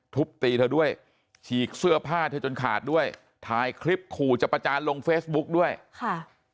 ทุบตีเธอด้วยฉีกเสื้อผ้าเธอจนขาดด้วยถ่ายคลิปขู่จะประจานลงเฟซบุ๊กด้วยค่ะ